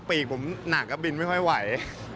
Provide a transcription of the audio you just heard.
ปีกผมหนักครับบินไม่ค่อยไหว